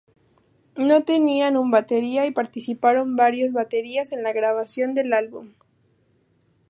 No tenían un batería, y participaron varios baterías en la grabación del álbum.